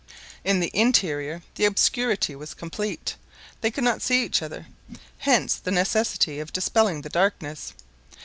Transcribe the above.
In the interior, the obscurity was complete. They could not see each other. Hence the necessity of dispelling the darkness.